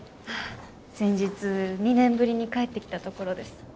ああ先日２年ぶりに帰ってきたところです。